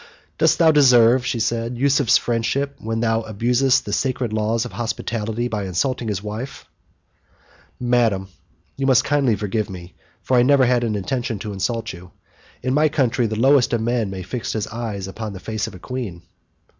"Dost thou deserve," she said, "Yusuf's friendship, when thou abusest the sacred laws of hospitality by insulting his wife?" "Madam, you must kindly forgive me, for I never had any intention to insult you. In my country the lowest of men may fix his eyes upon the face of a queen."